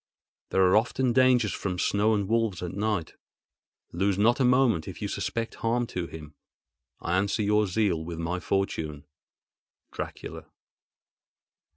There are often dangers from snow and wolves and night. Lose not a moment if you suspect harm to him. I answer your zeal with my fortune.—Dracula.